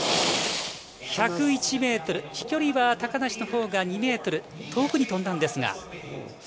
飛距離は高梨のほうが２ｍ遠くに飛んだんですが。